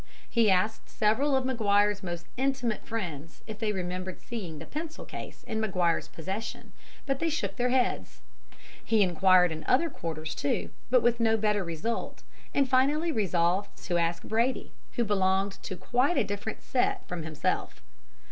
He asked several of Maguire's most intimate friends if they remembered seeing the pencil case in Maguire's possession, but they shook their heads. He enquired in other quarters, too, but with no better result, and finally resolved to ask Brady, who belonged to quite a different set from himself.